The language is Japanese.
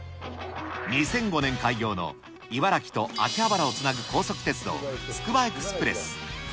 ２００５年開業の茨城と秋葉原を結ぶ高速鉄道、つくばエクスプレス。